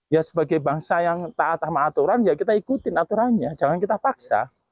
ya sebagai bangsa yang taat sama aturan ya kita ikutin aturannya jangan kita paksa